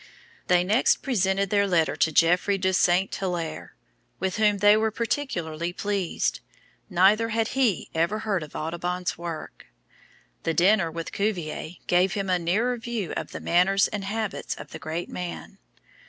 They next presented their letter to Geoffroy de St. Hilaire, with whom they were particularly pleased. Neither had he ever heard of Audubon's work. The dinner with Cuvier gave him a nearer view of the manners and habits of the great man.